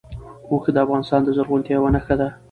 اوښ د افغانستان د زرغونتیا یوه نښه ده.